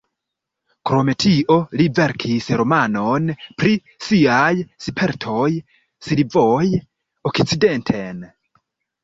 Krom tio, li verkis romanon pri siaj spertoj survoje okcidenten.